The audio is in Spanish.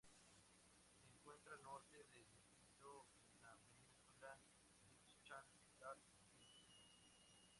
Se encuentra al norte del distrito, en la península Fischland-Dars-Zingst.